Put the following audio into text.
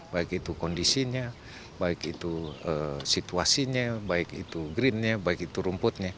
baik itu kondisinya baik itu situasinya baik itu greennya baik itu rumputnya